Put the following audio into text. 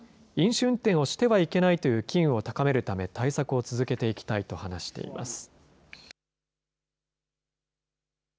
飲酒運転をしてはいけないという機運を高めるため、対策を続けていきたいと話しています。